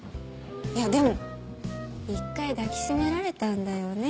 いやでも１回抱きしめられたんだよね？